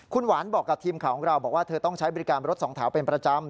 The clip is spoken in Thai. คุณหวานบอกกับทีมข่าวของเราบอกว่าเธอต้องใช้บริการรถสองแถวเป็นประจำ